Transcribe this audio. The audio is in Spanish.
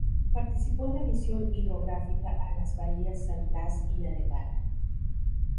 Participó en la misión hidrográfica a las bahías San Blas y Anegada.